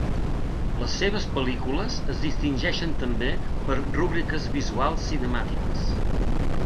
Les seves pel·lícules es distingeixen també per rúbriques visuals cinemàtiques.